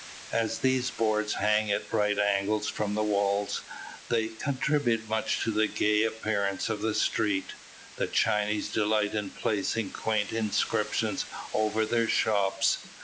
As these boards hang at right angles from the walls, they contribute much to the gay appearance of the street. The Chinese delight in placing quaint inscriptions over their shops.